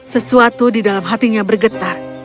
sesuatu di dalam hatinya bergetar